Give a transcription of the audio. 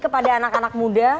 kepada anak anak muda